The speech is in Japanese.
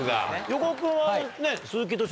横尾君は。